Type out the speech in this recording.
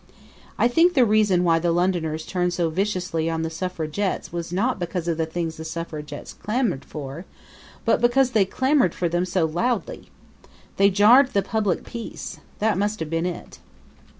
I think the reason why the Londoners turned so viciously on the suffragettes was not because of the things the suffragettes clamored for, but because they clamored for them so loudly. They jarred the public peace that must have been it.